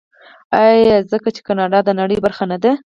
آیا ځکه چې کاناډا د نړۍ برخه نه ده؟